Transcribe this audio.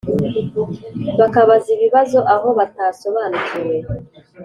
bakabaza ibibazo aho batasobanukiwe.